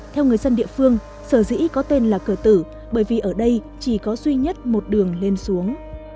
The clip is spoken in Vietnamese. theo người dân địa phương sở dĩ có tên là cửa tử bởi vì ở đây chỉ có duy nhất một đường lên xuống